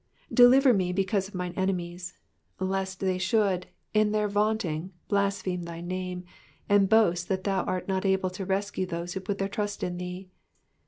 '' Deliver me because of mine enemies.'*'* lest they should, in their vaunting, blaspheme thy name, and boast that thou art not able to rescue those who put their trust in thee.